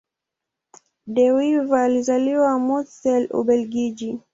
De Wever alizaliwa Mortsel, Ubelgiji.